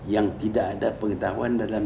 yang tidak ada pengetahuan dalam